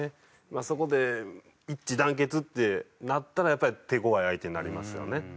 そこで一致団結ってなったらやっぱり手ごわい相手になりますよね。